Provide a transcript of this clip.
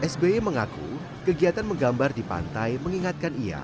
sby mengaku kegiatan menggambar di pantai mengingatkan ia